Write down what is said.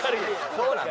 そうなの？